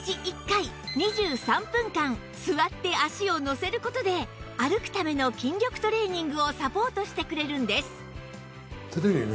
座って足をのせる事で歩くための筋力トレーニングをサポートしてくれるんです